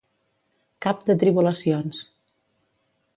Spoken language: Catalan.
Cap de tribulacions.